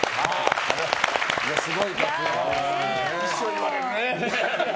一生言われるね。